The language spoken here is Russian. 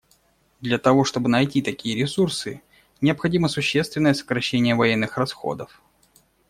Для того, чтобы найти такие ресурсы, необходимо существенное сокращение военных расходов.